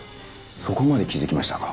そこまで気づきましたか。